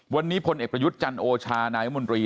วันนี้พลเอกประยุทธ์จันทร์โอชานายมนตรี